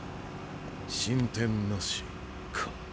進展なしか。